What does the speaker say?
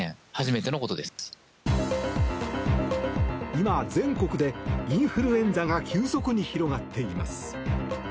今、全国でインフルエンザが急速に広がっています。